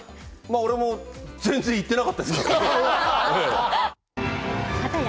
俺も全然言ってなかったですから。